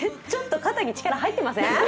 ちょっと肩に力が入ってません。